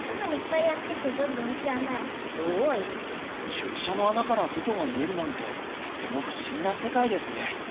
注射の穴から外が見えるなんてとても不思議な世界ですね。